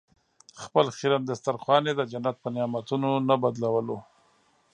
خپل خیرن دسترخوان یې د جنت په نعمتونو نه بدلولو.